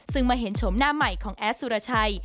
ซึ่งมาเห็นชมหน้าใหม่ของแอดสุรชัย